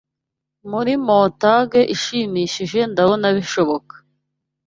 muri montage ishimishije ndabona bishoboka